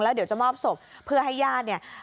เดี๋ยวจะมอบศพเพื่อให้ญาติเนี่ย